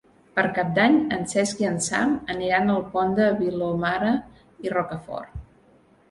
Per Cap d'Any en Cesc i en Sam aniran al Pont de Vilomara i Rocafort.